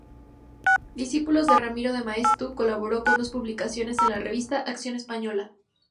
Discípulo de Ramiro de Maeztu, colaboró con dos publicaciones en la revista "Acción Española".